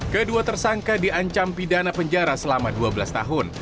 kedua tersangka diancam pidana penjara selama dua belas tahun